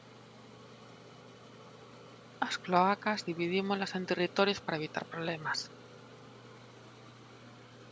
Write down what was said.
As cloacas dividímolas en territorios para evitar problemas;